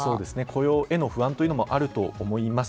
雇用への不安というのもあると思います。